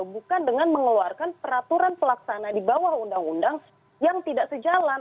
bukan dengan mengeluarkan peraturan pelaksana di bawah undang undang yang tidak sejalan